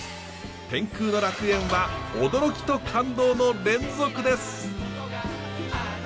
天空の楽園は驚きと感動の連続です。